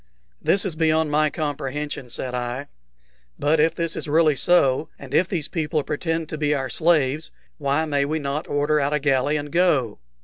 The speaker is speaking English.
"This is beyond my comprehension," said I. "But if this is really so, and if these people pretend to be our slaves, why may we not order out a galley and go?"